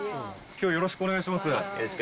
きょう、よろしくお願いします。